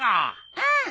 うん！